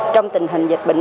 trong tình hình dịch bệnh b